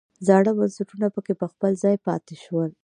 زاړه بنسټونه پکې په خپل ځای پاتې شول.